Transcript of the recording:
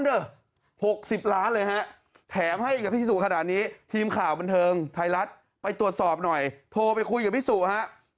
เดี๋ยวตรวจสอบหน่อยโทรไปคุยกับพี่สู่ฮะ